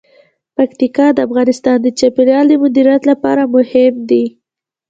پکتیکا د افغانستان د چاپیریال د مدیریت لپاره مهم دي.